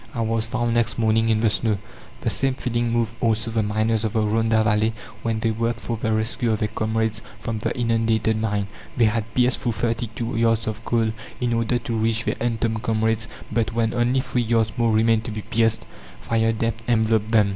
I was found next morning in the snow." The same feeling moved also the miners of the Rhonda Valley, when they worked for the rescue of their comrades from the inundated mine. They had pierced through thirty two yards of coal in order to reach their entombed comrades; but when only three yards more remained to be pierced, fire damp enveloped them.